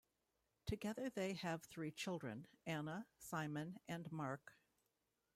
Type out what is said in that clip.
Together, they have three children: Anna, Simon, and Mark.